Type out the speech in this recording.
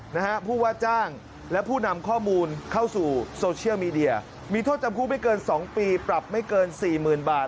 นะฮะผู้ว่าจ้างและผู้นำข้อมูลเข้าสู่โซเชียลมีเดียมีโทษจำคุกไม่เกินสองปีปรับไม่เกินสี่หมื่นบาท